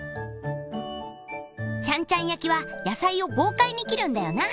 ちゃんちゃん焼きはやさいをごうかいに切るんだよな。